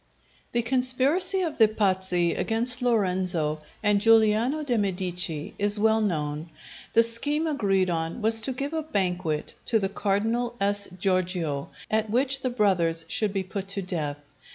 The conspiracy of the Pazzi against Lorenzo and Giuliano de' Medici is well known. The scheme agreed on was to give a banquet to the Cardinal S. Giorgio, at which the brothers should be put to death.